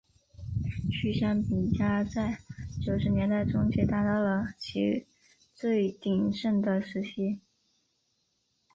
趣香饼家在九十年代中期达到了其最鼎盛的时期。